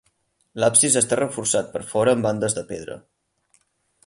L'absis està reforçat per fora amb bandes de pedra.